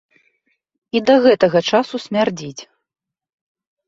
І да гэтага часу смярдзіць.